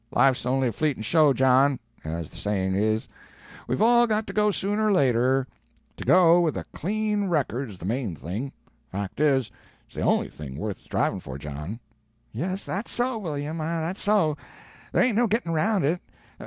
"Life's on'y a fleetin' show, John, as the sayin' is. We've all got to go, sooner or later. To go with a clean record's the main thing. Fact is, it's the on'y thing worth strivin' for, John." "Yes, that's so, William, that's so; there ain't no getting around it.